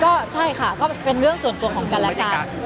ก็ใช่ค่ะก็เป็นเรื่องส่วนตัวของกันและกัน